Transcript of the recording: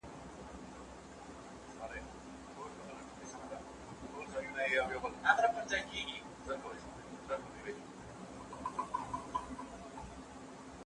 ځوانان نوي فکري جريانونه جوړوي.